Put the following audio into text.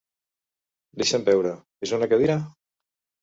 Deixa'm veure, és una cadira?